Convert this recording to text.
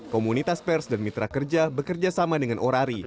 komunitas pers dan mitra kerja bekerja sama dengan orari